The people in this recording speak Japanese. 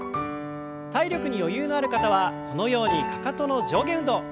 体力に余裕のある方はこのようにかかとの上下運動